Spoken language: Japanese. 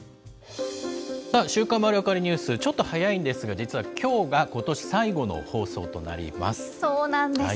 週刊まるわかりニュース、ちょっと早いんですが、実はきょうがことし最後の放送となります。